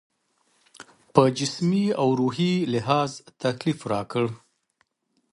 په جسمي او روحي لحاظ تکلیف راکړ.